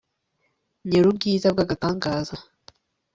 nyen'ubwiza bw'agatangaza, +r